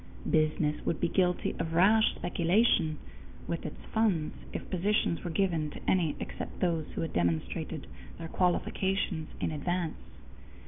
Business would be guilty of rash speculation with its funds if positions were given to any except those who had demonstrated their qualifications in advance.